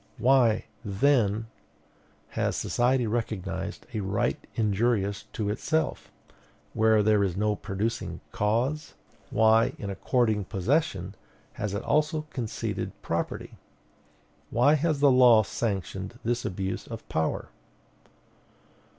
Why, then, has society recognized a right injurious to itself, where there is no producing cause? Why, in according possession, has it also conceded property? Why has the law sanctioned this abuse of power?